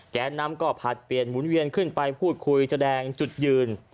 แกนนำก็ผลัดเปลี่ยนหมุนเวียนขึ้นไปพูดคุยแสดงจุดยืน